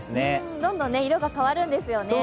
どんどん色が変わるんですよね。